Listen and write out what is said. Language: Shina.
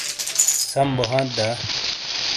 سم بو ہانتھ دا؟